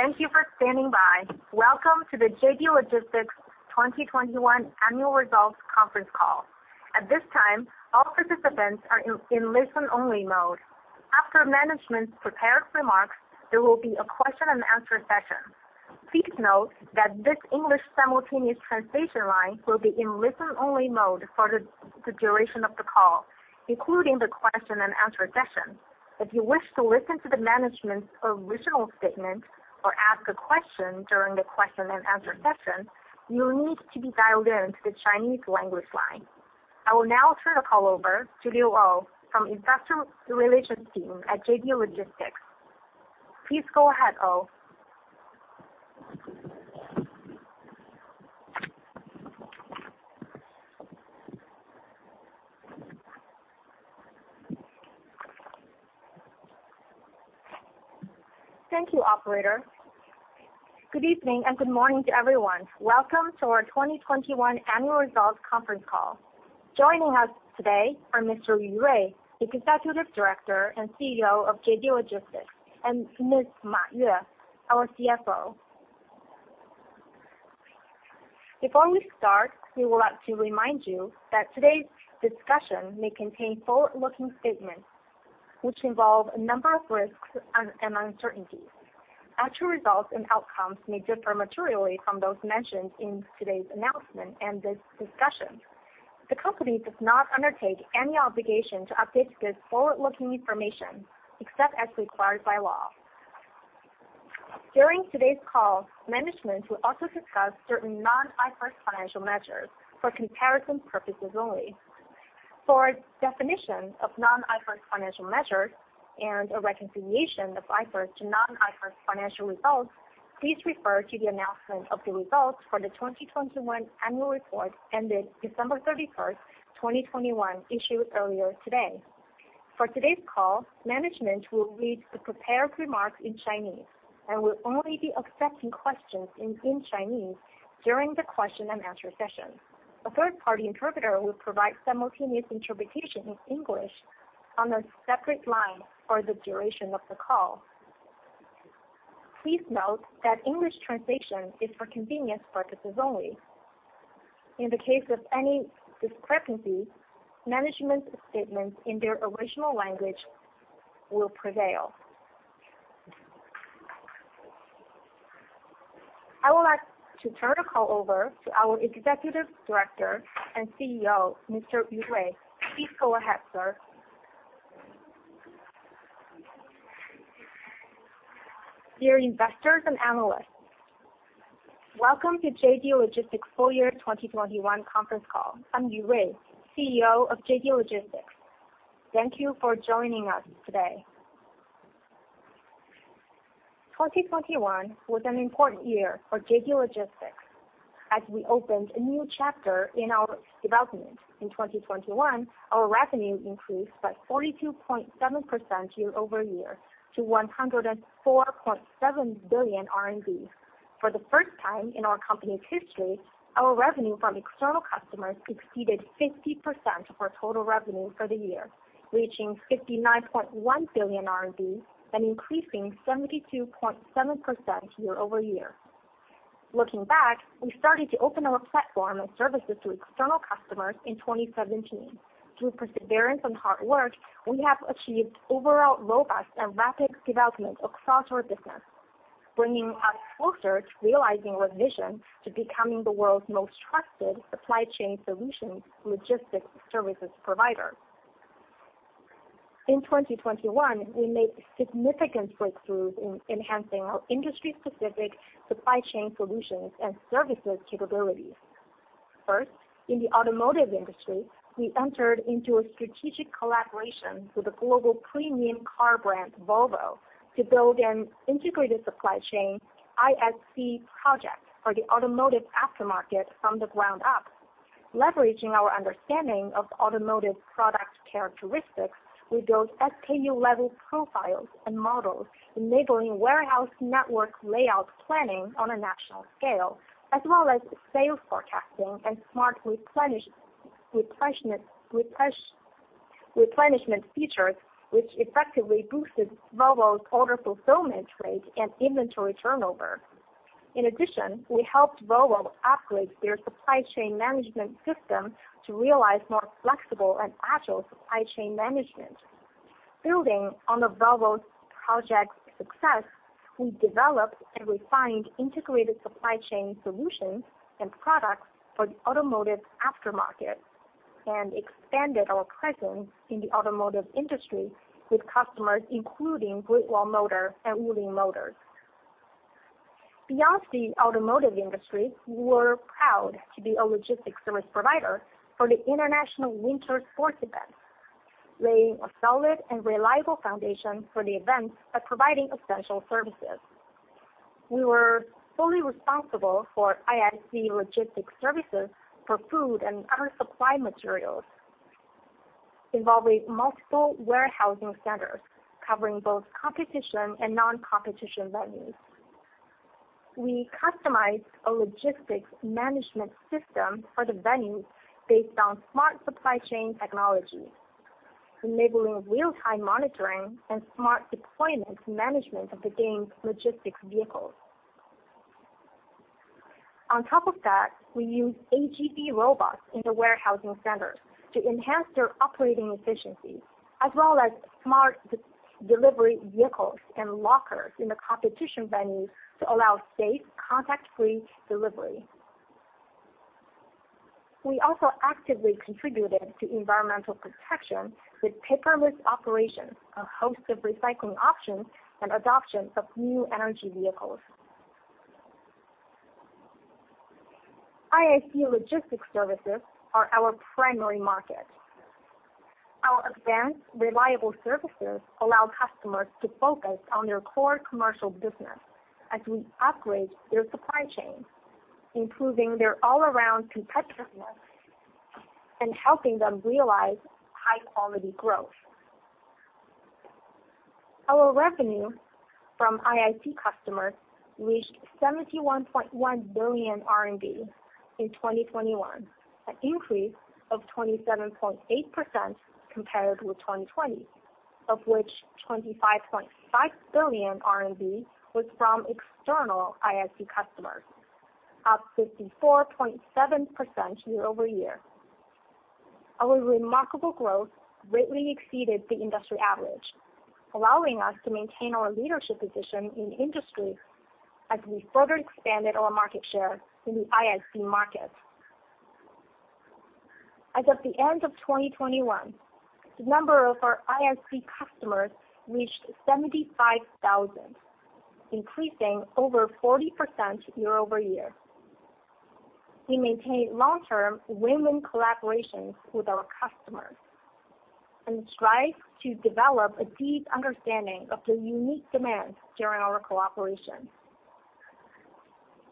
Thank you for standing by. Welcome to the JD Logistics 2021 Annual Results Conference Call. At this time, all participants are in listen-only mode. After management's prepared remarks, there will be a question-and-answer session. Please note that this English simultaneous translation line will be in listen-only mode for the duration of the call, including the question-and-answer session. If you wish to listen to the management's original statement or ask a question during the question-and-answer session, you'll need to be dialed in to the Chinese language line. I will now turn the call over to Liu Ou from Investor Relations team at JD Logistics. Please go ahead, Ou. Thank you, operator. Good evening and good morning to everyone. Welcome to our 2021 Annual Results Conference Call. Joining us today are Mr. Yu Rui, the Executive Director and CEO of JD Logistics, and Ms. Ma Yue, our CFO. Before we start, we would like to remind you that today's discussion may contain forward-looking statements, which involve a number of risks and uncertainties. Actual results and outcomes may differ materially from those mentioned in today's announcement and this discussion. The company does not undertake any obligation to update this forward-looking information except as required by law. During today's call, management will also discuss certain non-IFRS financial measures for comparison purposes only. For definition of non-IFRS financial measures and a reconciliation of IFRS to non-IFRS financial results, please refer to the announcement of the results for the 2021 annual report ended December 31st, 2021, issued earlier today. For today's call, management will read the prepared remarks in Chinese and will only be accepting questions in Chinese during the question-and-answer session. A third-party interpreter will provide simultaneous interpretation in English on a separate line for the duration of the call. Please note that English translation is for convenience purposes only. In the case of any discrepancy, management's statements in their original language will prevail. I would like to turn the call over to our Executive Director and CEO, Mr. Yu Rui. Please go ahead, sir. Dear investors and analysts, welcome to JD Logistics Full Year 2021 Conference Call. I'm Yu Rui, CEO of JD Logistics. Thank you for joining us today. 2021 was an important year for JD Logistics as we opened a new chapter in our development. In 2021, our revenue increased by 42.7% year-over-year to 104.7 billion RMB. For the first time in our company's history, our revenue from external customers exceeded 50% of our total revenue for the year, reaching 59.1 billion RMB and increasing 72.7% year-over-year. Looking back, we started to open our platform and services to external customers in 2017. Through perseverance and hard work, we have achieved overall robust and rapid development across our business, bringing us closer to realizing our vision to becoming the world's most trusted supply chain solutions logistics services provider. In 2021, we made significant breakthroughs in enhancing our industry-specific supply chain solutions and services capabilities. First, in the automotive industry, we entered into a strategic collaboration with the global premium car brand, Volvo, to build an integrated supply chain, ISC project, for the automotive aftermarket from the ground up. Leveraging our understanding of automotive product characteristics, we built SKU-level profiles and models, enabling warehouse network layout planning on a national scale, as well as sales forecasting and smart replenishment features, which effectively boosted Volvo's order fulfillment rate and inventory turnover. In addition, we helped Volvo upgrade their supply chain management system to realize more flexible and agile supply chain management. Building on Volvo's project success, we developed and refined integrated supply chain solutions and products for the automotive aftermarket and expanded our presence in the automotive industry with customers including Great Wall Motor and Wuling Motors. Beyond the automotive industry, we were proud to be a logistics service provider for the International Winter Sports event, laying a solid and reliable foundation for the event by providing essential services. We were fully responsible for ISC logistics services for food and other supply materials, involving multiple warehousing centers, covering both competition and non-competition venues. We customized a logistics management system for the venue based on smart supply chain technology, enabling real-time monitoring and smart deployment management of the game logistics vehicles. On top of that, we use AGV robots in the warehousing centers to enhance their operating efficiency, as well as smart delivery vehicles and lockers in the competition venue to allow safe contact-free delivery. We also actively contributed to environmental protection with paperless operations, a host of recycling options, and adoption of new energy vehicles. ISC logistics services are our primary market. Our advanced reliable services allow customers to focus on their core commercial business as we upgrade their supply chain, improving their all-around competitiveness and helping them realize high-quality growth. Our revenue from ISC customers reached 71.1 billion RMB in 2021, an increase of 27.8% compared with 2020, of which 25.5 billion RMB was from external ISC customers, up 54.7% year-over-year. Our remarkable growth greatly exceeded the industry average, allowing us to maintain our leadership position in the industry as we further expanded our market share in the ISC market. As of the end of 2021, the number of our ISC customers reached 75,000, increasing over 40% year-over-year. We maintain long-term win-win collaborations with our customers, and strive to develop a deep understanding of their unique demands during our cooperation.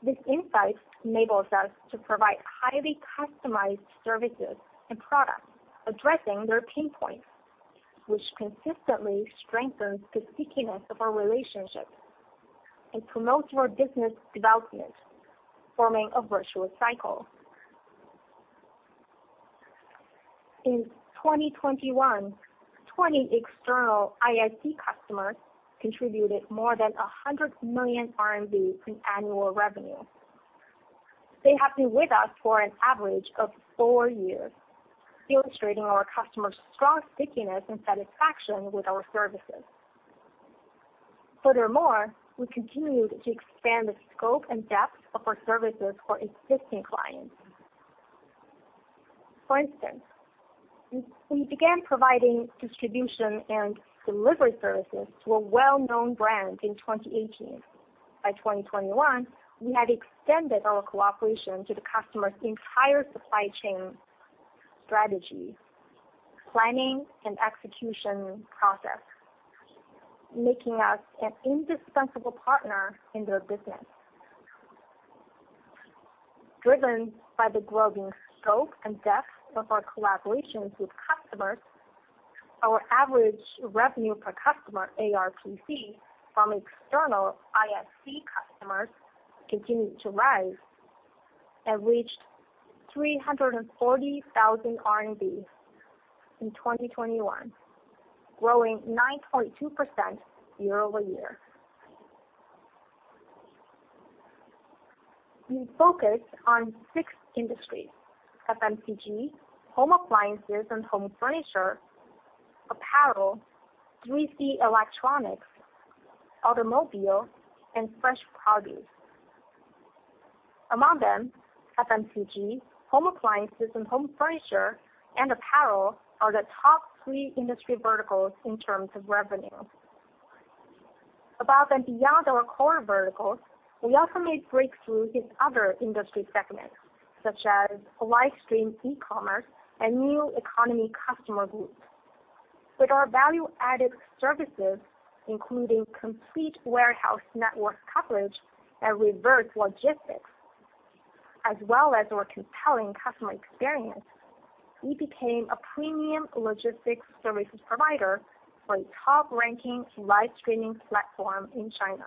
This insight enables us to provide highly customized services and products addressing their pain points, which consistently strengthens the stickiness of our relationship and promotes our business development, forming a virtuous cycle. In 2021, 20 external IIC customers contributed more than 100 million RMB in annual revenue. They have been with us for an average of four years, illustrating our customers' strong stickiness and satisfaction with our services. Furthermore, we continued to expand the scope and depth of our services for existing clients. For instance, we began providing distribution and delivery services to a well-known brand in 2018. By 2021, we had extended our cooperation to the customer's entire supply chain strategy, planning and execution process, making us an indispensable partner in their business. Driven by the growing scope and depth of our collaborations with customers, our average revenue per customer, ARPC, from external IIC customers continued to rise and reached 340,000 RMB in 2021, growing 9.2% year-over-year. We focus on six industries, FMCG, home appliances and home furniture, apparel, 3C electronics, automobile, and fresh produce. Among them, FMCG, home appliances and home furniture, and apparel are the top three industry verticals in terms of revenue. Above and beyond our core verticals, we also made breakthroughs in other industry segments such as live stream e-commerce and new economy customer groups. With our value-added services, including complete warehouse network coverage and reverse logistics, as well as our compelling customer experience, we became a premium logistics services provider for a top-ranking live streaming platform in China.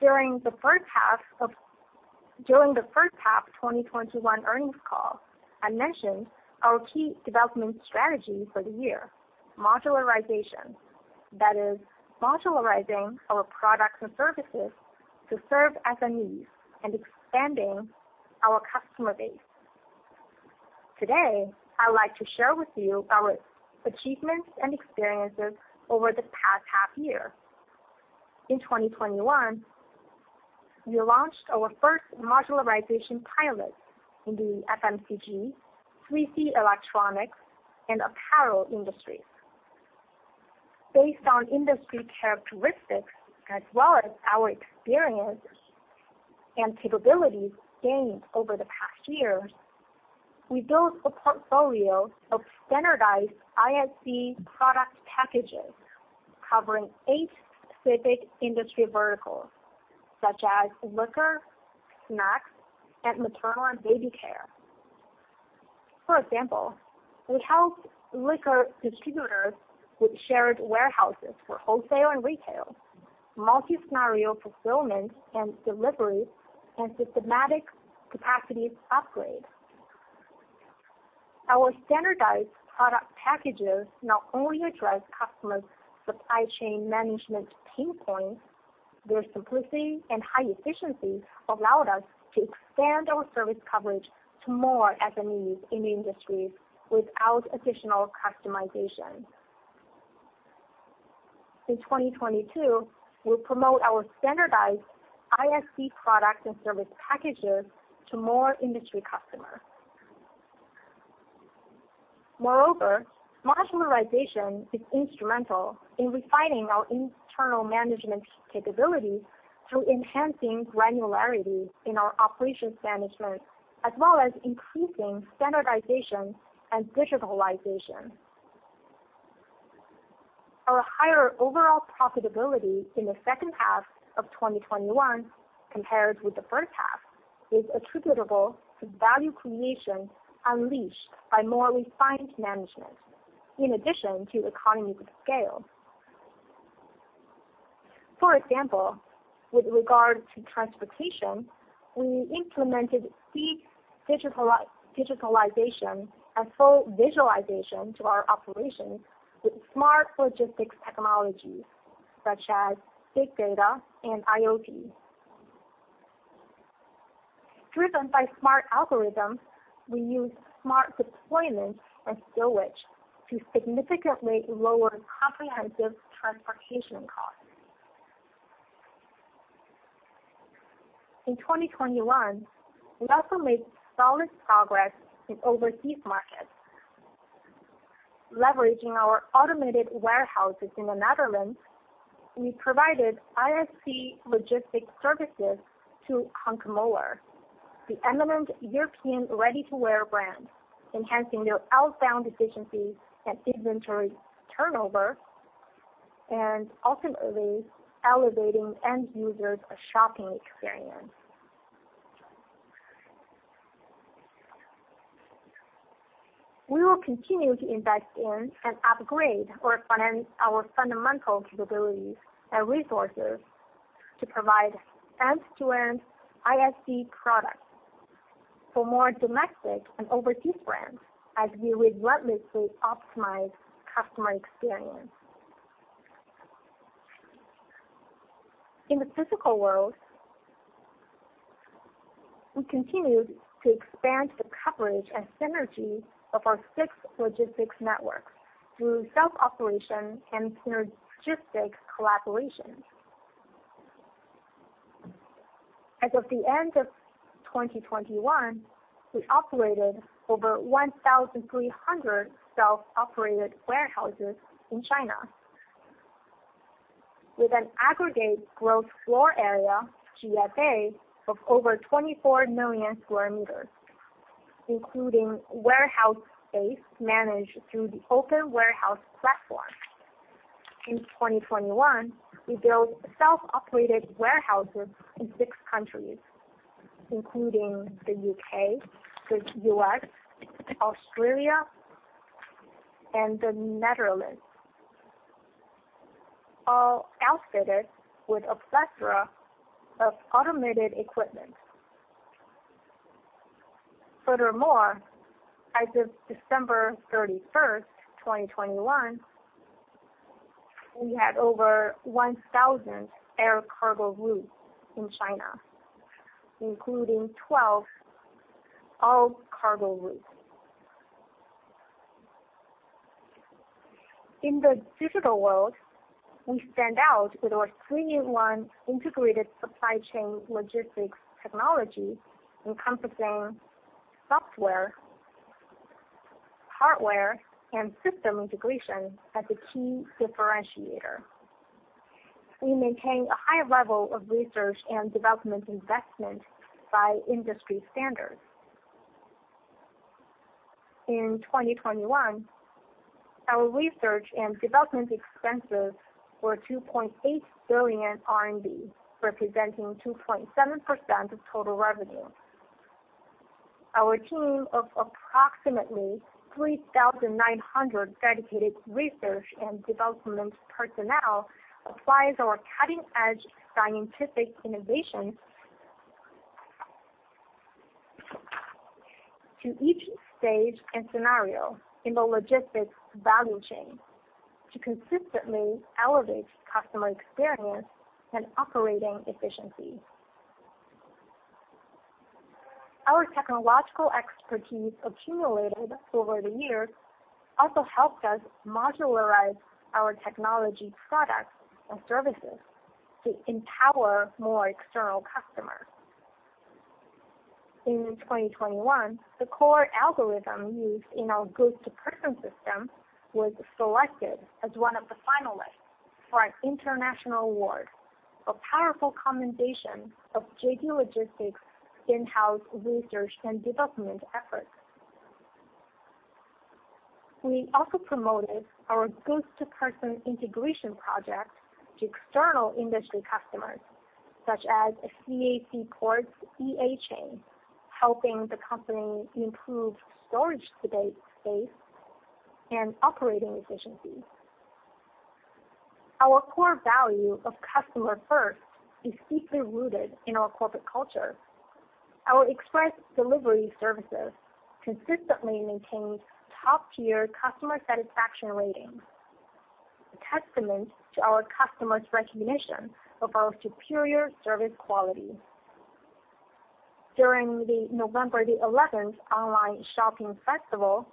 During the first half 2021 earnings call, I mentioned our key development strategy for the year, modularization. That is modularizing our products and services to serve as a need and expanding our customer base. Today, I'd like to share with you our achievements and experiences over the past half year. In 2021, we launched our first modularization pilot in the FMCG, 3C electronics, and apparel industries. Based on industry characteristics as well as our experience and capabilities gained over the past years, we built a portfolio of standardized ISC product packages covering eight specific industry verticals such as liquor, snacks, and maternal and baby care. For example, we helped liquor distributors with shared warehouses for wholesale and retail, multi-scenario fulfillment and delivery, and systematic capacity upgrade. Our standardized product packages not only address customers' supply chain management pain points. Their simplicity and high efficiency allowed us to expand our service coverage to more SMEs in the industries without additional customization. In 2022, we'll promote our standardized ISC products and service packages to more industry customers. Moreover, modularization is instrumental in refining our internal management capability through enhancing granularity in our operations management, as well as increasing standardization and digitalization. Our higher overall profitability in the second half of 2021 compared with the first half is attributable to value creation unleashed by more refined management in addition to economies of scale. For example, with regard to transportation, we implemented deep digitalization and full visualization to our operations with smart logistics technologies such as big data and IoT. Driven by smart algorithms, we use smart deployment and storage to significantly lower comprehensive transportation costs. In 2021, we also made solid progress in overseas markets. Leveraging our automated warehouses in the Netherlands, we provided ISC logistics services to Hunkemöller, the eminent European ready-to-wear brand, enhancing their outbound efficiency and inventory turnover, and ultimately elevating end users' shopping experience. We will continue to invest in and upgrade our fundamental capabilities and resources to provide end-to-end ISC products for more domestic and overseas brands as we relentlessly optimize customer experience. In the physical world, we continued to expand the coverage and synergy of our six logistics networks through self-operation and synergistic collaborations. As of the end of 2021, we operated over 1,300 self-operated warehouses in China with an aggregate growth floor area, GFA, of over 24 million sq m, including warehouse space managed through the Open Warehouse Platform. In 2021, we built self-operated warehouses in six countries, including the U.K., the U.S., Australia, and the Netherlands, all outfitted with a plethora of automated equipment. Furthermore, as of December 31st, 2021, we had over 1,000 air cargo routes in China, including 12 all-cargo routes. In the digital world, we stand out with our three-in-one integrated supply chain logistics technology encompassing software, hardware, and system integration as a key differentiator. We maintain a high level of research and development investment by industry standards. In 2021, our research and development expenses were 2.8 billion RMB, representing 2.7% of total revenue. Our team of approximately 3,900 dedicated research and development personnel applies our cutting-edge scientific innovations to each stage and scenario in the logistics value chain to consistently elevate customer experience and operating efficiency. Our technological expertise accumulated over the years also helped us modularize our technology products and services to empower more external customers. In 2021, the core algorithm used in our goods-to-person system was selected as one of the finalists for an international award, a powerful commendation of JD Logistics' in-house research and development efforts. We also promoted our goods to person integration project to external industry customers such as CAC Ports EA Chain, helping the company improve storage space and operating efficiency. Our core value of customer first is deeply rooted in our corporate culture. Our express delivery services consistently maintain top-tier customer satisfaction ratings, a testament to our customers' recognition of our superior service quality. During the November 11 online shopping festival,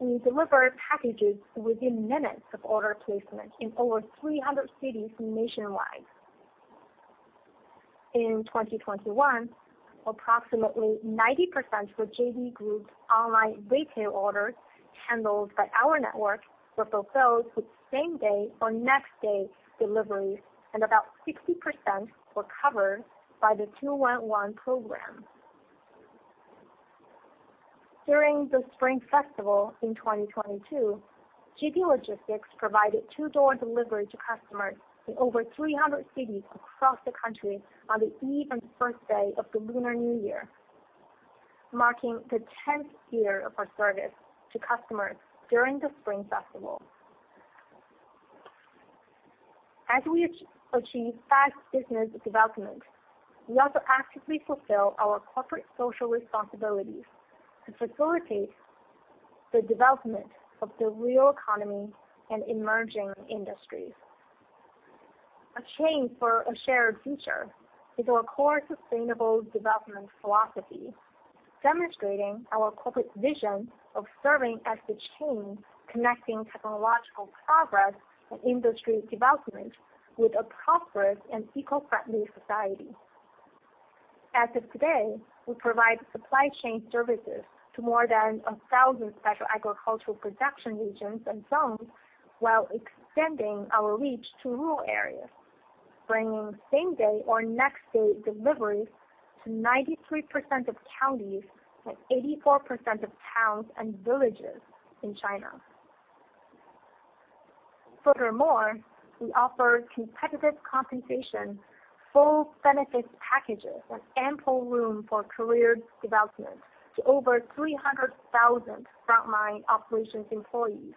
we delivered packages within minutes of order placement in over 300 cities nationwide. In 2021, approximately 90% of JD Group's online retail orders handled by our network were fulfilled with same-day or next-day deliveries, and about 60% were covered by the 211 program. During the Spring Festival in 2022, JD Logistics provided two-hour delivery to customers in over 300 cities across the country on the eve and first day of the Lunar New Year, marking the 10th year of our service to customers during the Spring Festival. As we achieve fast business development, we also actively fulfill our corporate social responsibilities to facilitate the development of the real economy and emerging industries. A chain for a shared future is our core sustainable development philosophy, demonstrating our corporate vision of serving as the chain connecting technological progress and industry development with a prosperous and eco-friendly society. As of today, we provide supply chain services to more than 1,000 special agricultural production regions and zones while extending our reach to rural areas, bringing same day or next day deliveries to 93% of counties and 84% of towns and villages in China. Furthermore, we offer competitive compensation, full benefits packages, and ample room for career development to over 300,000 frontline operations employees.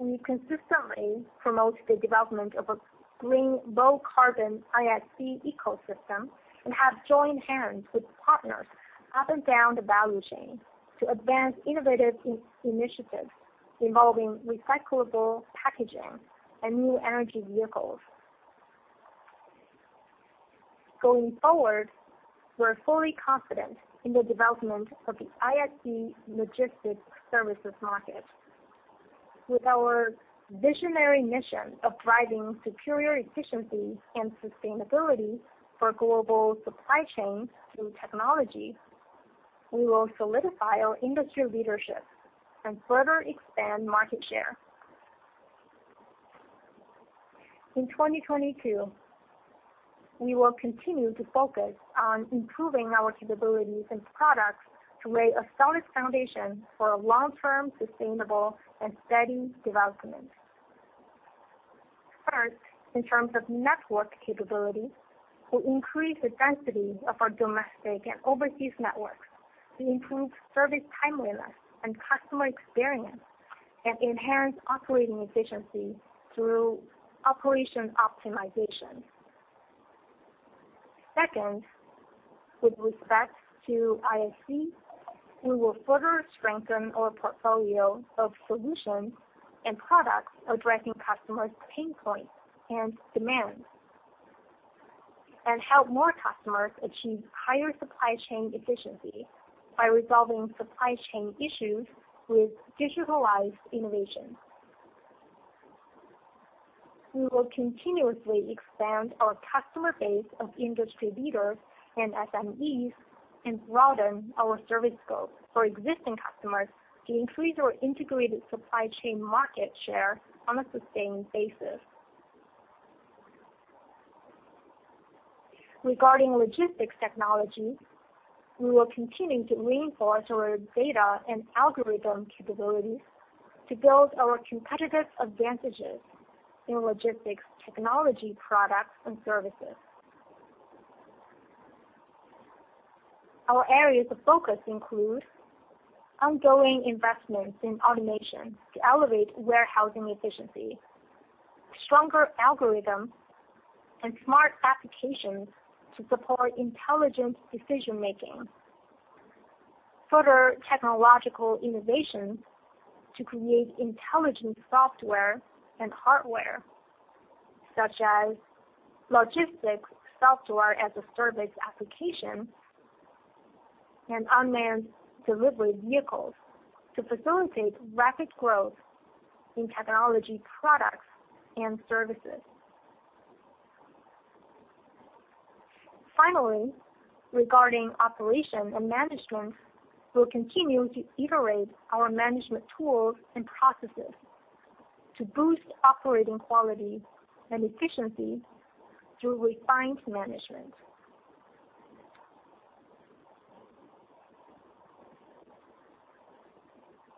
We consistently promote the development of a green low carbon ISC ecosystem and have joined hands with partners up and down the value chain to advance innovative initiatives involving recyclable packaging and new energy vehicles. Going forward, we're fully confident in the development of the ISC logistics services market. With our visionary mission of driving superior efficiency and sustainability for global supply chain through technology, we will solidify our industry leadership and further expand market share. In 2022, we will continue to focus on improving our capabilities and products to lay a solid foundation for a long-term, sustainable, and steady development. First, in terms of network capability, we increase the density of our domestic and overseas networks to improve service timeliness and customer experience and enhance operating efficiency through operation optimization. Second, with respect to ISC, we will further strengthen our portfolio of solutions and products addressing customers' pain points and demands, and help more customers achieve higher supply chain efficiency by resolving supply chain issues with digitalized innovation. We will continuously expand our customer base of industry leaders and SMEs and broaden our service scope for existing customers to increase our integrated supply chain market share on a sustained basis. Regarding logistics technology, we will continue to reinforce our data and algorithm capabilities to build our competitive advantages in logistics technology products and services. Our areas of focus include ongoing investments in automation to elevate warehousing efficiency, stronger algorithms and smart applications to support intelligent decision-making, further technological innovations to create intelligent software and hardware, such as logistics software-as-a-service application and unmanned delivery vehicles to facilitate rapid growth in technology products and services. Finally, regarding operation and management, we'll continue to iterate our management tools and processes to boost operating quality and efficiency through refined management.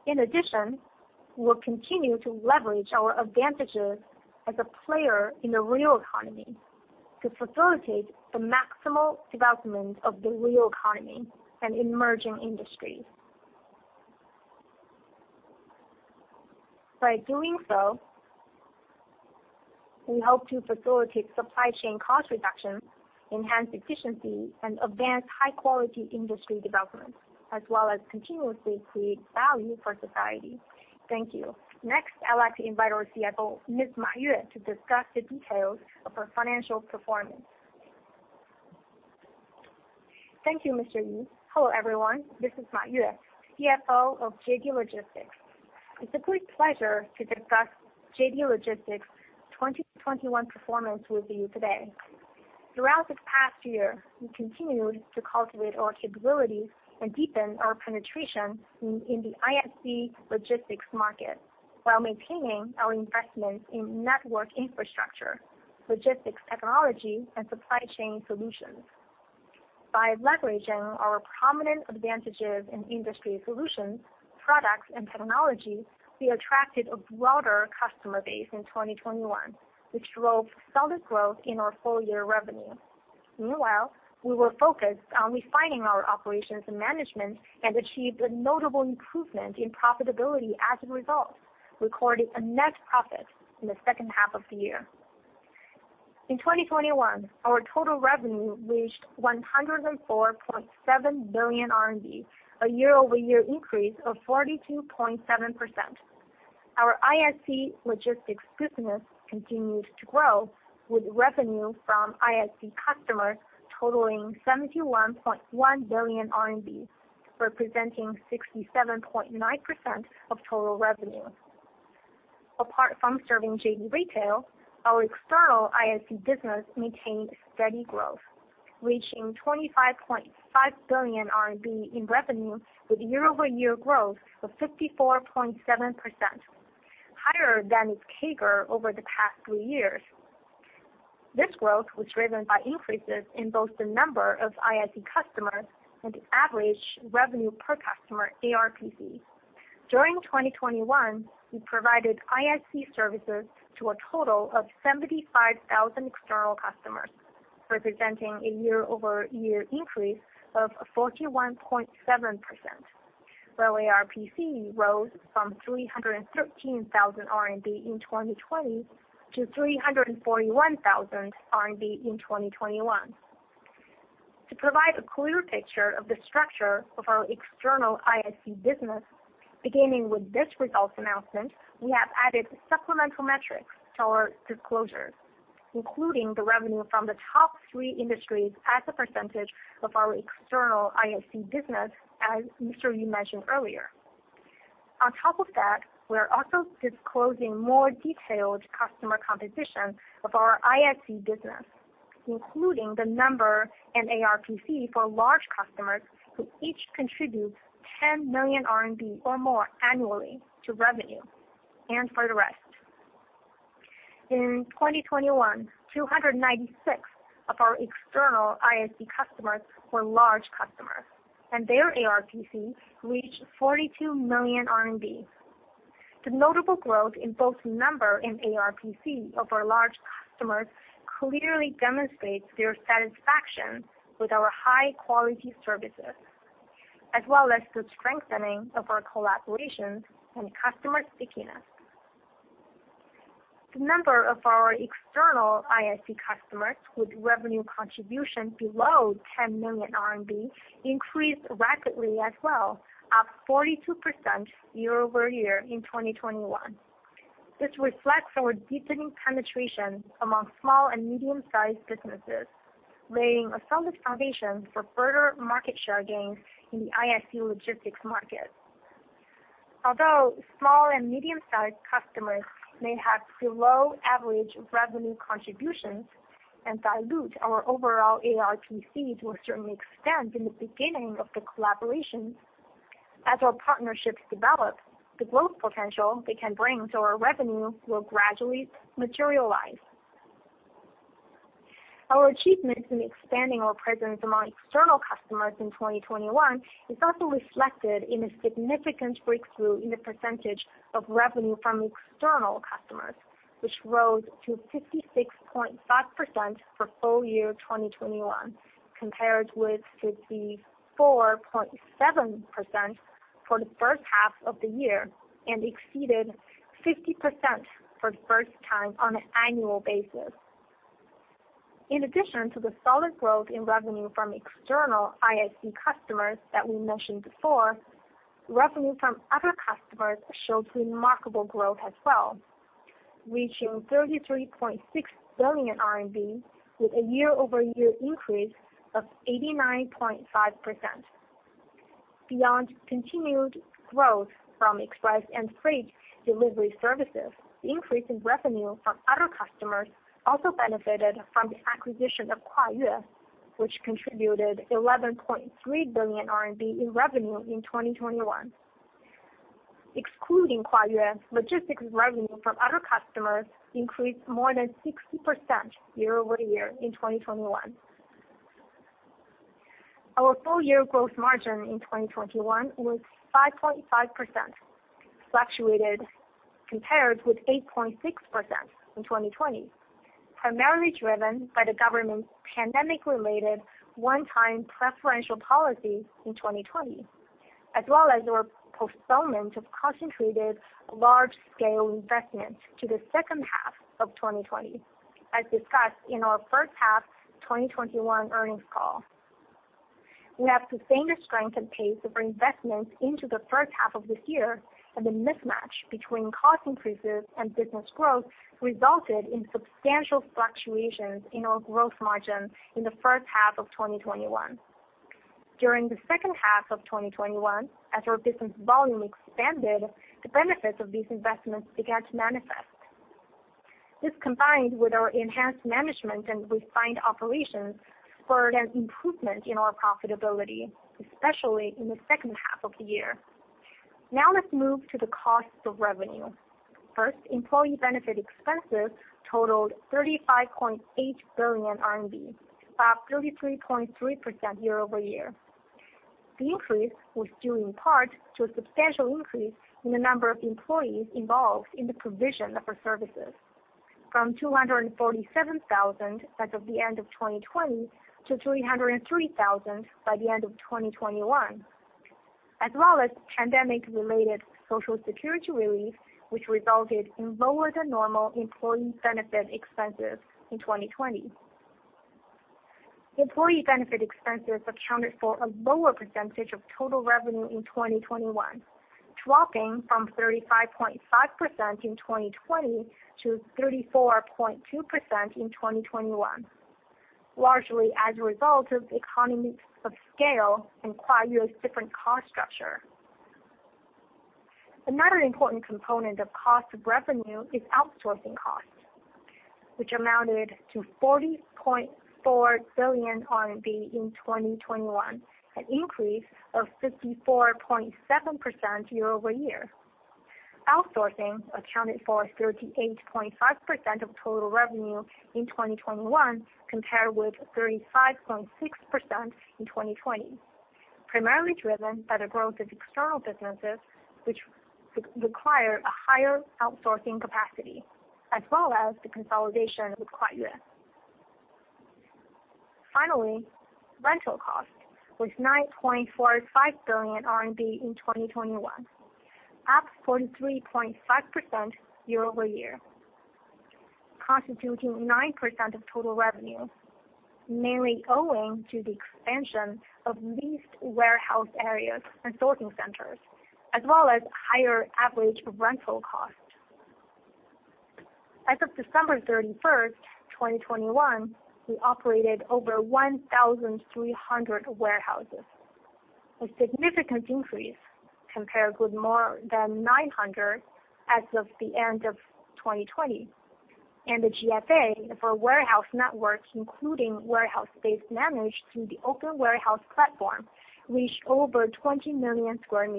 In addition, we will continue to leverage our advantages as a player in the real economy to facilitate the maximal development of the real economy and emerging industries. By doing so, we hope to facilitate supply chain cost reduction, enhance efficiency, and advance high-quality industry development, as well as continuously create value for society. Thank you. Next, I'd like to invite our CFO, Ms. Ma Yue, to discuss the details of our financial performance. Thank you, Mr. Yu. Hello, everyone. This is Ma Yue, CFO of JD Logistics. It's a great pleasure to discuss JD Logistics' 2021 performance with you today. Throughout this past year, we continued to cultivate our capabilities and deepen our penetration in the ISC logistics market while maintaining our investment in network infrastructure, logistics technology, and supply chain solutions. By leveraging our prominent advantages in industry solutions, products, and technology, we attracted a broader customer base in 2021, which drove solid growth in our full-year revenue. Meanwhile, we were focused on refining our operations and management and achieved a notable improvement in profitability as a result, recording a net profit in the second half of the year. In 2021, our total revenue reached 104.7 billion RMB, a year-over-year increase of 42.7%. Our ISC logistics business continued to grow, with revenue from ISC customers totaling RMB 71.1 billion, representing 67.9% of total revenue. Apart from serving JD Retail, our external ISC business maintained steady growth, reaching 25.5 billion RMB in revenue with year-over-year growth of 54.7%, higher than its CAGR over the past three years. This growth was driven by increases in both the number of ISC customers and the average revenue per customer, ARPC. During 2021, we provided ISC services to a total of 75,000 external customers, representing a year-over-year increase of 41.7%, while ARPC rose from 313,000 RMB in 2020 to 341,000 RMB in 2021. To provide a clearer picture of the structure of our external ISC business, beginning with this results announcement, we have added supplemental metrics to our disclosures, including the revenue from the top three industries as a percentage of our external ISC business, as Mr. Yu mentioned earlier. On top of that, we are also disclosing more detailed customer composition of our ISC business, including the number and ARPC for large customers who each contribute 10 million RMB or more annually to revenue and for the rest. In 2021, 296 of our external ISC customers were large customers, and their ARPC reached 42 million RMB. The notable growth in both number and ARPC of our large customers clearly demonstrates their satisfaction with our high-quality services as well as the strengthening of our collaborations and customer stickiness. The number of our external ISC customers with revenue contribution below 10 million RMB increased rapidly as well, up 42% year-over-year in 2021. This reflects our deepening penetration among small and medium-sized businesses, laying a solid foundation for further market share gains in the ISC logistics market. Although small and medium-sized customers may have low average revenue contributions and dilute our overall ARPCs to a certain extent in the beginning of the collaboration, as our partnerships develop, the growth potential they can bring to our revenue will gradually materialize. Our achievements in expanding our presence among external customers in 2021 is also reflected in a significant breakthrough in the percentage of revenue from external customers, which rose to 56.5% for full year 2021, compared with 54.7% for the first half of the year and exceeded 50% for the first time on an annual basis. In addition to the solid growth in revenue from external ISC customers that we mentioned before, revenue from other customers showed remarkable growth as well, reaching 33.6 billion RMB with a year-over-year increase of 89.5%. Beyond continued growth from express and freight delivery services, the increase in revenue from other customers also benefited from the acquisition of Kuayue-Express, which contributed 11.3 billion RMB in revenue in 2021. Excluding Huayuan Logistics, revenue from other customers increased more than 60% year-over-year in 2021. Our full year growth margin in 2021 was 5.5% fluctuated compared with 8.6% in 2020, primarily driven by the government's pandemic-related one-time preferential policy in 2020, as well as our postponement of concentrated large-scale investments to the second half of 2020, as discussed in our first half 2021 earnings call. We have sustained the strength and pace of our investments into the first half of this year, and the mismatch between cost increases and business growth resulted in substantial fluctuations in our gross margin in the first half of 2021. During the second half of 2021, as our business volume expanded, the benefits of these investments began to manifest. This, combined with our enhanced management and refined operations, spurred an improvement in our profitability, especially in the second half of the year. Now let's move to the cost of revenue. First, employee benefit expenses totaled 35.8 billion RMB, up 33.3% year-over-year. The increase was due in part to a substantial increase in the number of employees involved in the provision of our services from 247,000 as of the end of 2020 to 303,000 by the end of 2021. As well as pandemic-related Social Security relief, which resulted in lower than normal employee benefit expenses in 2020. Employee benefit expenses accounted for a lower percentage of total revenue in 2021, dropping from 35.5% in 2020 to 34.2% in 2021, largely as a result of economies of scale and Huayuan's different cost structure. Another important component of cost of revenue is outsourcing costs, which amounted to 40.4 billion RMB in 2021, an increase of 54.7% year-over-year. Outsourcing accounted for 38.5% of total revenue in 2021, compared with 35.6% in 2020, primarily driven by the growth of external businesses, which require a higher outsourcing capacity, as well as the consolidation with Huayuan. Finally, rental cost was 9.45 billion RMB in 2021, up 43.5% year-over-year, constituting 9% of total revenue, mainly owing to the expansion of leased warehouse areas and sorting centers, as well as higher average rental costs. As of December 31st, 2021, we operated over 1,300 warehouses, a significant increase compared with more than 900 as of the end of 2020. The GFA for warehouse networks, including warehouse space managed through the Open Warehouse Platform, reached over 20 million sq m.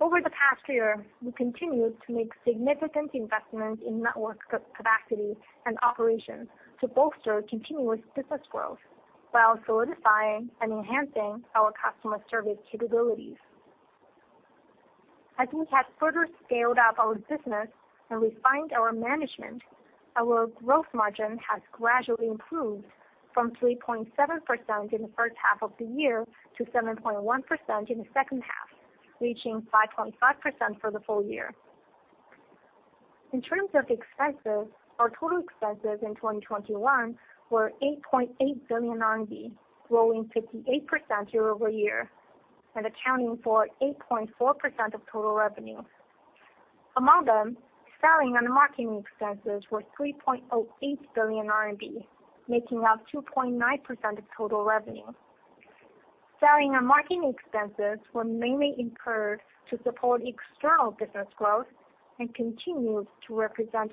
Over the past year, we continued to make significant investments in network capacity and operations to bolster continuous business growth while solidifying and enhancing our customer service capabilities. As we have further scaled up our business and refined our management, our growth margin has gradually improved from 3.7% in the first half of the year to 7.1% in the second half, reaching 5.5% for the full year. In terms of expenses, our total expenses in 2021 were 8.8 billion RMB, growing 58% year-over-year and accounting for 8.4% of total revenue. Among them, selling and marketing expenses were 3.8 billion RMB, making up 2.9% of total revenue. Selling and marketing expenses were mainly incurred to support external business growth and continued to represent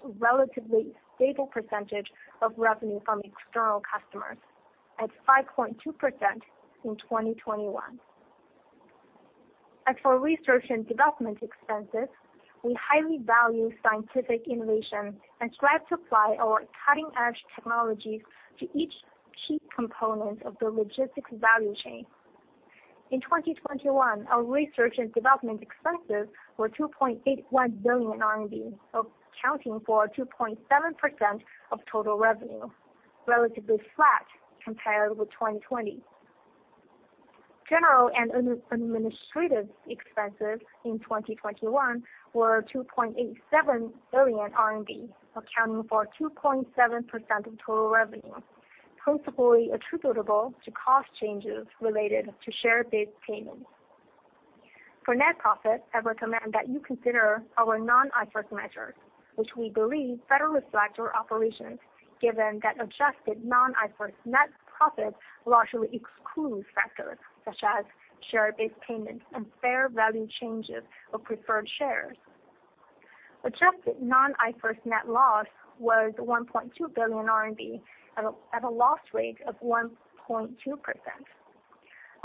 a relatively stable percentage of revenue from external customers at 5.2% in 2021. As for research and development expenses, we highly value scientific innovation and strive to apply our cutting-edge technologies to each key component of the logistics value chain. In 2021, our research and development expenses were 2.81 billion RMB, accounting for 2.7% of total revenue, relatively flat compared with 2020. General and administrative expenses in 2021 were 2.87 billion RMB, accounting for 2.7% of total revenue, principally attributable to cost changes related to share-based payments. For net profit, I recommend that you consider our non-IFRS measures, which we believe better reflect our operations, given that adjusted non-IFRS net profit largely excludes factors such as share-based payments and fair value changes of preferred shares. Adjusted non-IFRS net loss was 1.2 billion RMB at a loss rate of 1.2%.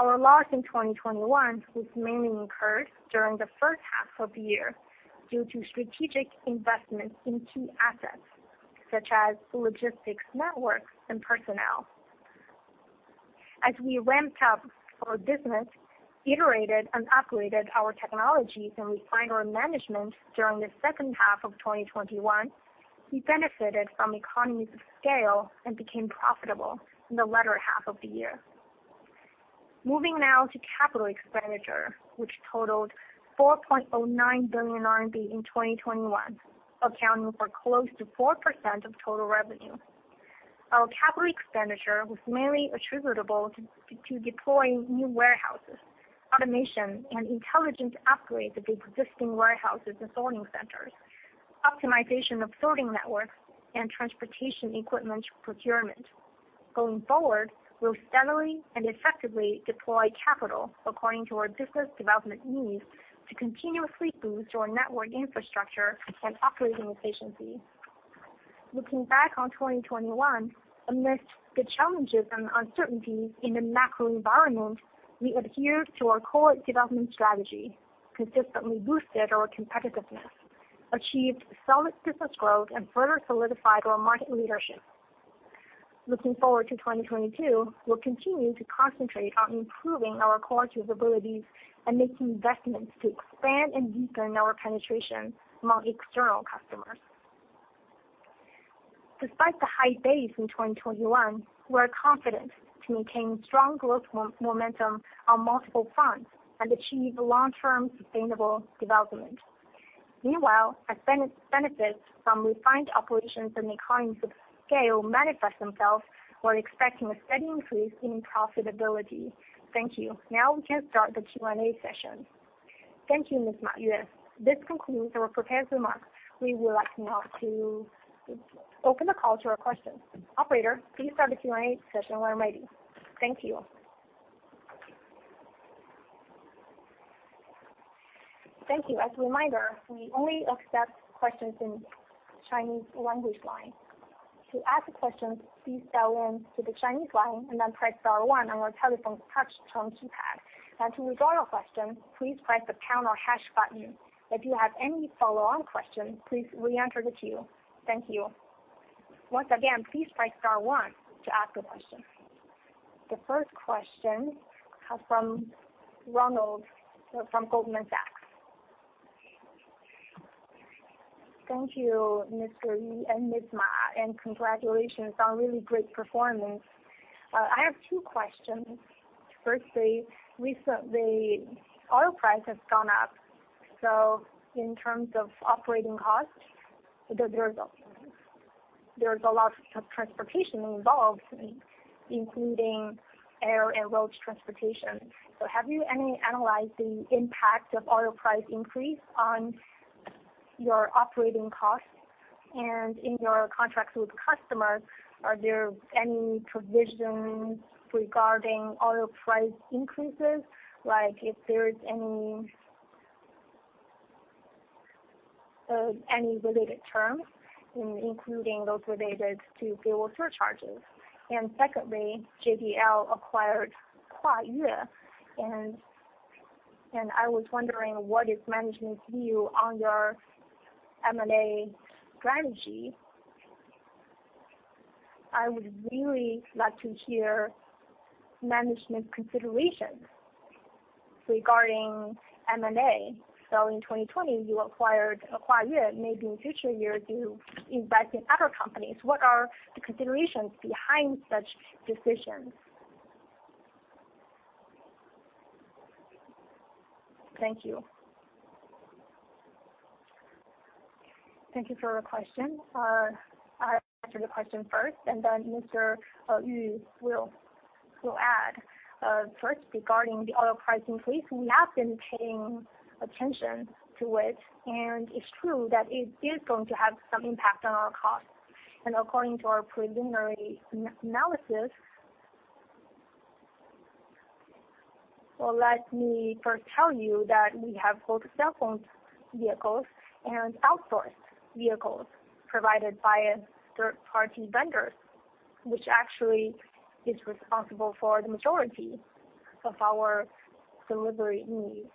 Our loss in 2021 was mainly incurred during the first half of the year due to strategic investments in key assets, such as logistics networks and personnel. As we ramped up our business, iterated and upgraded our technologies, and refined our management during the second half of 2021, we benefited from economies of scale and became profitable in the latter half of the year. Moving now to capital expenditure, which totaled 4.09 billion RMB in 2021, accounting for close to 4% of total revenue. Our capital expenditure was mainly attributable to deploying new warehouses, automation and intelligent upgrade to the existing warehouses and sorting centers, optimization of sorting networks and transportation equipment procurement. Going forward, we'll steadily and effectively deploy capital according to our business development needs to continuously boost our network infrastructure and operational efficiency. Looking back on 2021, amidst the challenges and uncertainty in the macro environment, we adhered to our core development strategy, consistently boosted our competitiveness, achieved solid business growth, and further solidified our market leadership. Looking forward to 2022, we'll continue to concentrate on improving our core capabilities and make investments to expand and deepen our penetration among external customers. Despite the high base in 2021, we are confident to maintain strong growth momentum on multiple fronts and achieve long-term sustainable development. Meanwhile, as benefits from refined operations and economies of scale manifest themselves, we're expecting a steady increase in profitability. Thank you. Now we can start the Q&A session. Thank you, Ms. Ma Yue. This concludes our prepared remarks. We would like now to open the call to our questions. Operator, please start the Q&A session when ready. Thank you. As a remainder, we only accept questions in Chinese language line. To ask a question, please dial one for the Chinese line and then type dial one on the telephone touch-tone keypad. To withdraw a question, please type pound key. If you have any follow-up question please re-enter the queue. Thank you. Once again, please type star one to ask a question. Thank you. The first question comes from Ronald from Goldman Sachs. Thank you, Mr. Yu and Ms. Ma, and congratulations on really great performance. I have two questions. Firstly, recently oil price has gone up, so in terms of operating costs, there's a lot of transportation involved, including air and road transportation. Have you analyzed the impact of oil price increase on your operating costs? And in your contracts with customers, are there any provisions regarding oil price increases? Like if there is any related terms, including those related to fuel surcharges? Secondly, JDL acquired Kuayue-Express, and I was wondering, what is management's view on your M&A strategy? I would really like to hear management consideration regarding M&A. In 2020, you acquired Kuayue-Express. Maybe in future years, you invest in other companies. What are the considerations behind such decisions? Thank you. Thank you for your question. I'll answer the question first, and then Mr. Yu will add. First, regarding the oil price increase, we have been paying attention to it, and it's true that it is going to have some impact on our costs. According to our preliminary... Well, let me first tell you that we have both self-owned vehicles and outsourced vehicles provided by a third-party vendor, which actually is responsible for the majority of our delivery needs.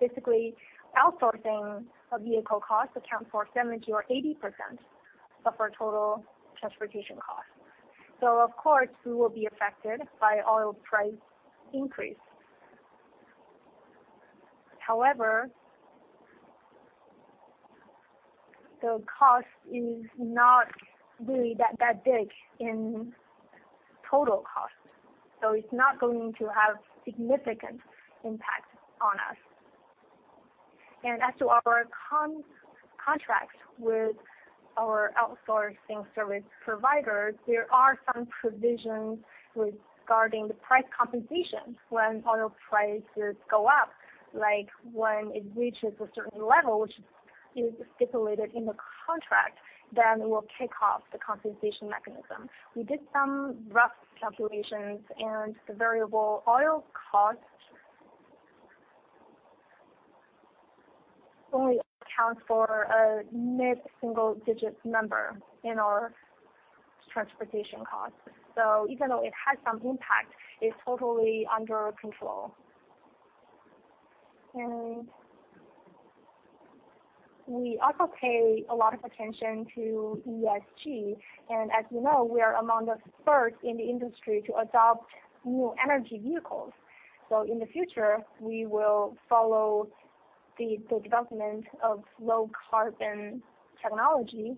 Basically, outsourcing of vehicle costs accounts for 70 or 80% of our total transportation costs. Of course, we will be affected by oil price increase. However, the cost is not really that big in total cost, so it's not going to have significant impact on us. As to our contract with our outsourcing service provider, there are some provisions regarding the price compensation when oil prices go up. Like when it reaches a certain level, which is stipulated in the contract, then we'll kick off the compensation mechanism. We did some rough calculations, and the variable oil cost only accounts for a mid-single digit number in our transportation costs. Even though it has some impact, it's totally under control. We also pay a lot of attention to ESG, and as you know, we are among the first in the industry to adopt new energy vehicles. In the future, we will follow the development of low carbon technology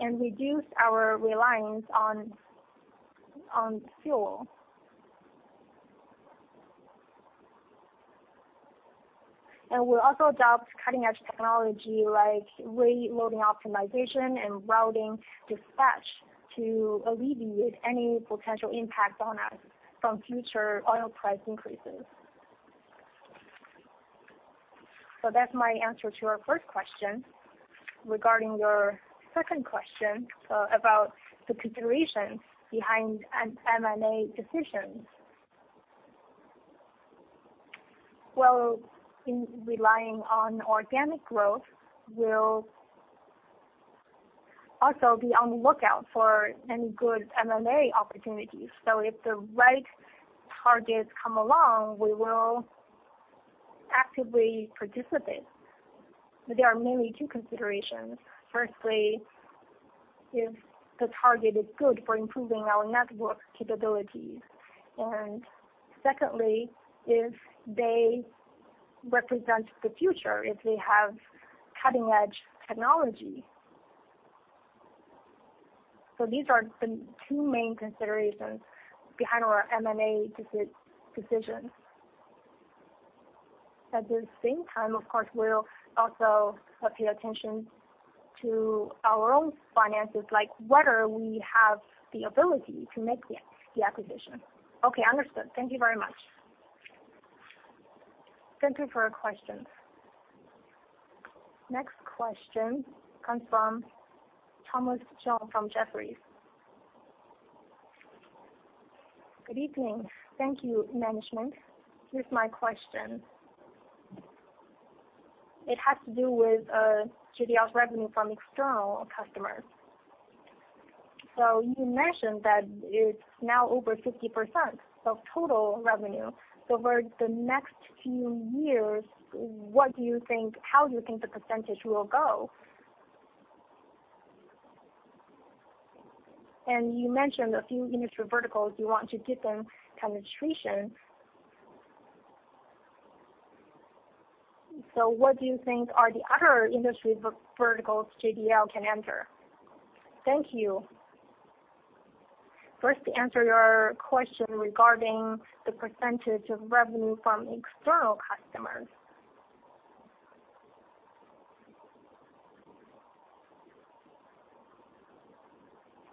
and reduce our reliance on fuel. We'll also adopt cutting-edge technology like rate loading optimization and routing dispatch to alleviate any potential impact on us from future oil price increases. That's my answer to your first question. Regarding your second question about the considerations behind an M&A decision. Well, in relying on organic growth, we'll also be on the lookout for any good M&A opportunities. So if the right targets come along, we will actively participate. But there are mainly two considerations. Firstly, if the target is good for improving our network capabilities, and secondly, if they represent the future, if they have cutting-edge technology. So these are the two main considerations behind our M&A decision. At the same time, of course, we'll also pay attention to our own finances, like whether we have the ability to make the acquisition. Okay, understood. Thank you very much. Thank you for your question. Next question comes from Thomas Chong from Jefferies. Good evening. Thank you, management. Here's my question. It has to do with JDL's revenue from external customers. So you mentioned that it's now over 50% of total revenue. Over the next few years, how do you think the percentage will go? You mentioned a few industry verticals you want to deepen penetration. What do you think are the other industry verticals JDL can enter? Thank you. First, to answer your question regarding the percentage of revenue from external customers.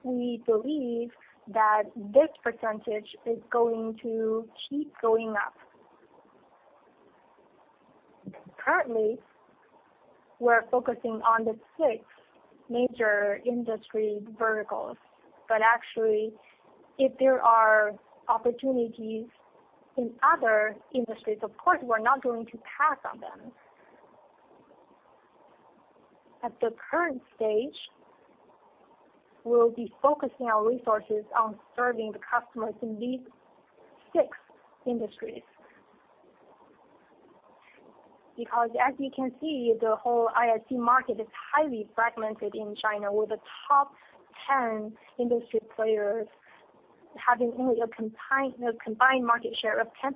We believe that this percentage is going to keep going up. Currently, we're focusing on the six major industry verticals, but actually, if there are opportunities in other industries, of course, we're not going to pass on them. At the current stage, we'll be focusing our resources on serving the customers in these six industries. Because as you can see, the whole ISC market is highly fragmented in China, with the top 10 industry players having only a combined market share of 10%,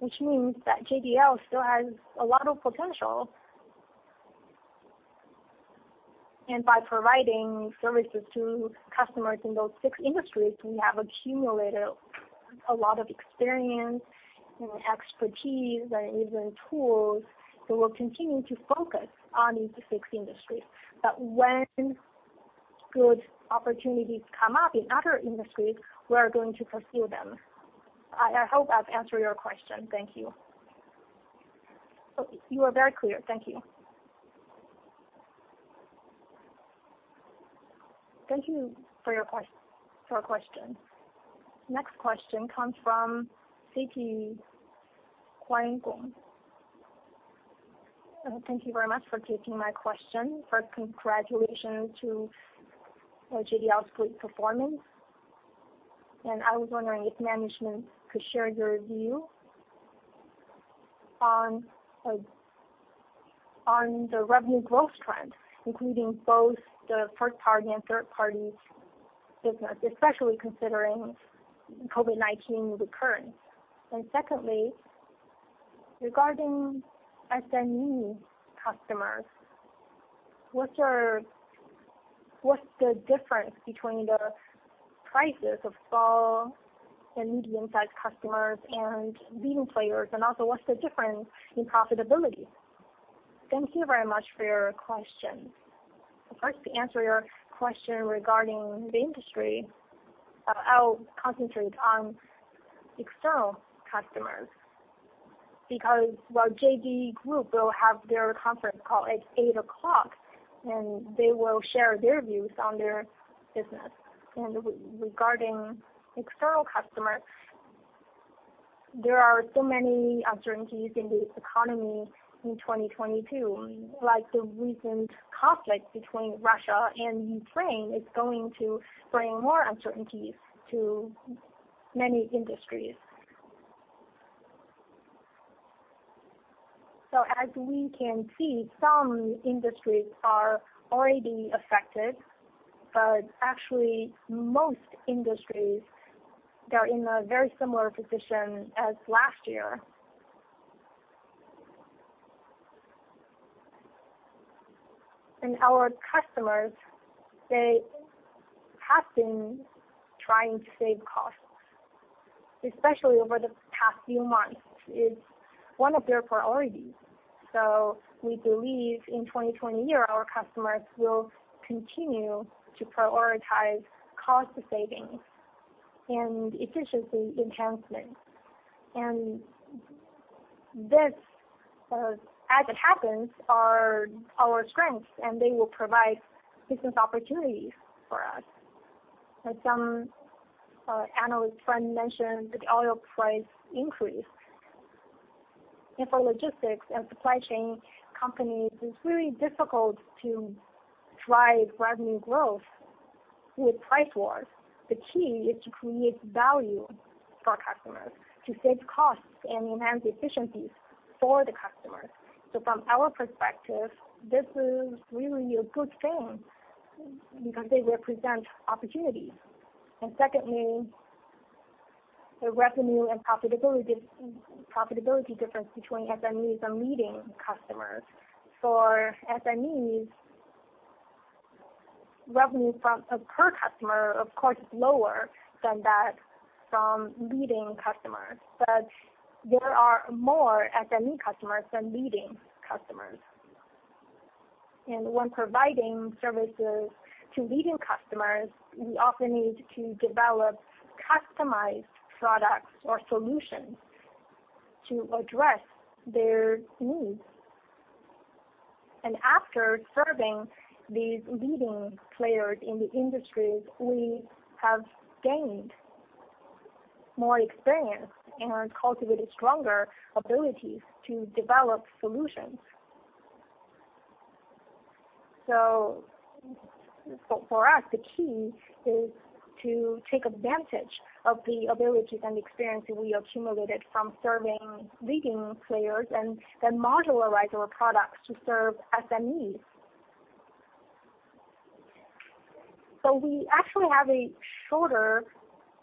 which means that JDL still has a lot of potential. By providing services to customers in those six industries, we have accumulated a lot of experience and expertise and even tools. We'll continue to focus on these six industries. When good opportunities come up in other industries, we are going to pursue them. I hope I've answered your question. Thank you. You are very clear. Thank you. Thank you for your question. Next question comes from CT Wang Gong. Thank you very much for taking my question. First, congratulations to JDL's great performance. I was wondering if management could share their view on the revenue growth trend, including both the first party and third party business, especially considering COVID-19 recurrence. Secondly, regarding SME customers, what's the difference between the prices of small and medium-sized customers and leading players, and also what's the difference in profitability? Thank you very much for your question. First, to answer your question regarding the industry, I'll concentrate on external customers, because while JD Group will have their conference call at 8:00, and they will share their views on their business. Regarding external customers, there are so many uncertainties in the economy in 2022, like the recent conflict between Russia and Ukraine is going to bring more uncertainties to many industries. As we can see, some industries are already affected, but actually most industries, they are in a very similar position as last year. Our customers, they have been trying to save costs, especially over the past few months. It's one of their priorities. We believe in 2020, our customers will continue to prioritize cost savings and efficiency enhancement. This, as it happens, are our strengths, and they will provide business opportunities for us. As some, analyst friend mentioned, the oil price increase. For logistics and supply chain companies, it's really difficult to drive revenue growth with price wars. The key is to create value for customers, to save costs and enhance efficiencies for the customers. From our perspective, this is really a good thing because they represent opportunities. Secondly, the revenue and profitability difference between SMEs and leading customers. For SMEs, revenue per customer, of course, is lower than that from leading customers. There are more SME customers than leading customers. When providing services to leading customers, we often need to develop customized products or solutions to address their needs. After serving these leading players in the industries, we have gained more experience and cultivated stronger abilities to develop solutions. For us, the key is to take advantage of the abilities and experience that we accumulated from serving leading players and then modularize our products to serve SMEs. We actually have a shorter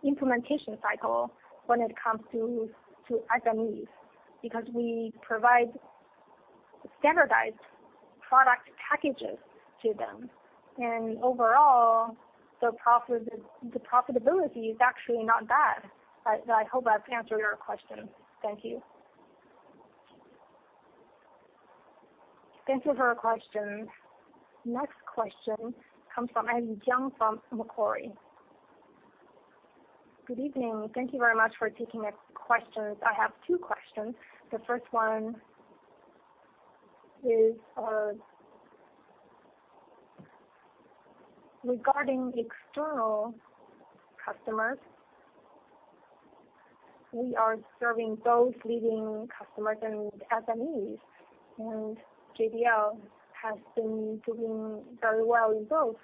implementation cycle when it comes to SMEs because we provide standardized product packages to them. Overall, the profitability is actually not bad. I hope I've answered your question. Thank you. Thank you for your question. Next question comes from Eddie Jung from Macquarie. Good evening. Thank you very much for taking the questions. I have two questions. The first one is, regarding external customers. We are serving both leading customers and SMEs, and JDL has been doing very well in both.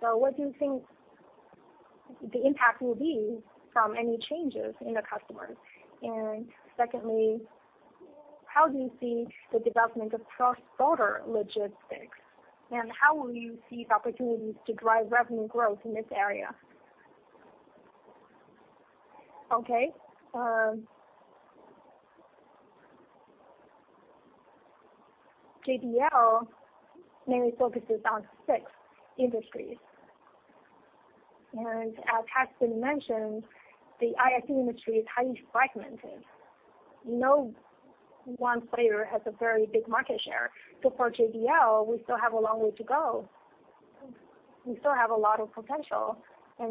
What do you think the impact will be from any changes in the customers? And secondly, how do you see the development of cross-border logistics, and how will you see the opportunities to drive revenue growth in this area? Okay. JDL mainly focuses on six industries. As has been mentioned, the ISC industry is highly fragmented. No one player has a very big market share. For JDL, we still have a long way to go. We still have a lot of potential.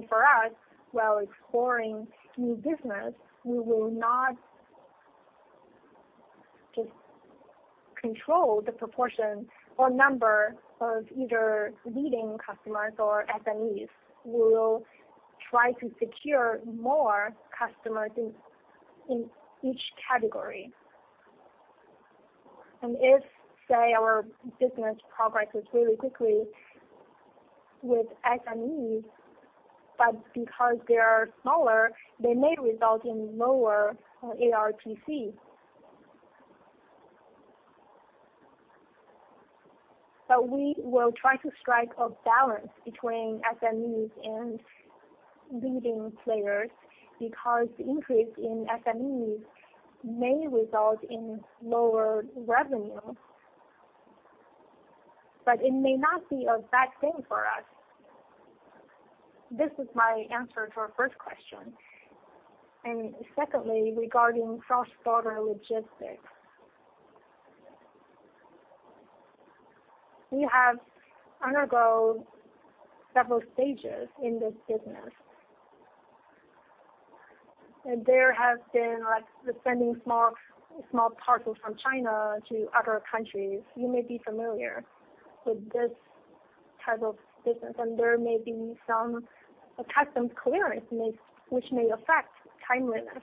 For us, while exploring new business, we will not just control the proportion or number of either leading customers or SMEs. We will try to secure more customers in each category. If, say, our business progresses really quickly with SMEs, but because they are smaller, they may result in lower ARPC. We will try to strike a balance between SMEs and leading players because the increase in SMEs may result in lower revenue, but it may not be a bad thing for us. This is my answer to our first question. Secondly, regarding cross-border logistics, we have undergone several stages in this business. There have been, like, the sending of small parcels from China to other countries. You may be familiar with this type of business, and there may be some customs clearance, which may affect timeliness.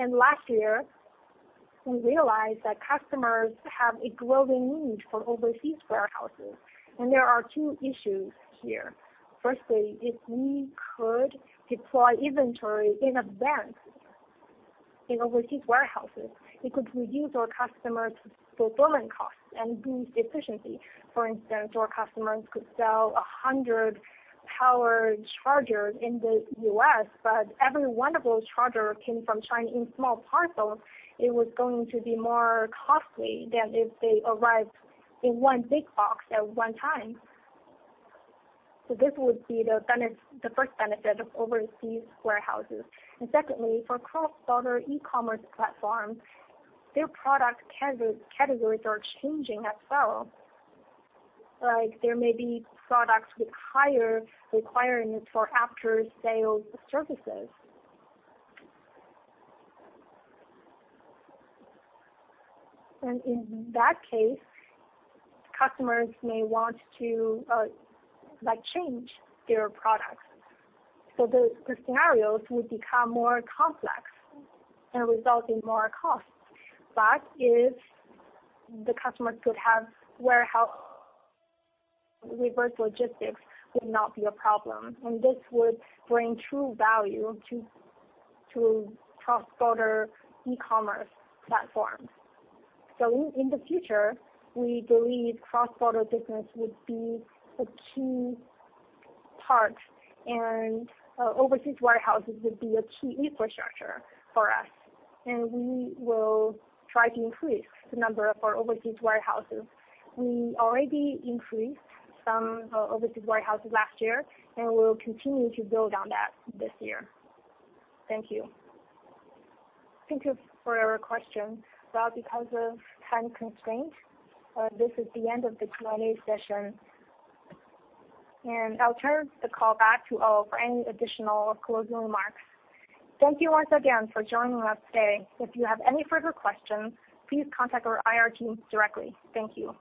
Last year, we realized that customers have a growing need for overseas warehouses, and there are two issues here. Firstly, if we could deploy inventory in advance in overseas warehouses, it could reduce our customers' fulfillment costs and boost efficiency. For instance, our customers could sell 100 power chargers in the U.S., but every one of those chargers came from China in small parcels. It was going to be more costly than if they arrived in one big box at one time. This would be the first benefit of overseas warehouses. Secondly, for cross-border e-commerce platforms, their product categories are changing as well. Like, there may be products with higher requirements for after-sales services. In that case, customers may want to, like, change their products. The scenarios would become more complex and result in more costs. If the customers could have warehouse, reverse logistics would not be a problem, and this would bring true value to cross-border e-commerce platforms. In the future, we believe cross-border business would be a key part and overseas warehouses would be a key infrastructure for us, and we will try to increase the number of our overseas warehouses. We already increased some overseas warehouses last year, and we'll continue to build on that this year. Thank you. Thank you for your question. Well, because of time constraints, this is the end of the Q&A session. I'll turn the call back to Ou for any additional closing remarks. Thank you once again for joining us today. If you have any further questions, please contact our IR team directly. Thank you.